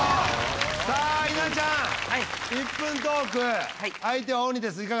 さあ稲ちゃん１分トーク相手は鬼です。